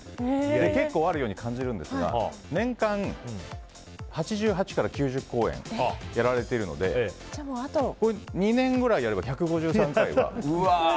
結構あるように感じるんですが年間８８から９０公演やられているので２年ぐらいやれば１５３回は。